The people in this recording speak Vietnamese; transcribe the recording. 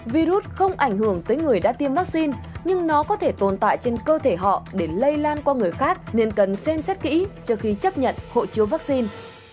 virus không ảnh hưởng tới người đã tiêm vaccine nhưng nó có thể tồn tại trên cơ thể họ để lây lan qua người khác nên cần xem xét kỹ trước khi chấp nhận hộ chiếu vaccine